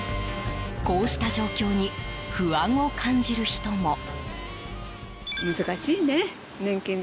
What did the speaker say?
こうした状況に不安を感じる人も。